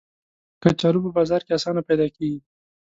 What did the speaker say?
کچالو په بازار کې آسانه پیدا کېږي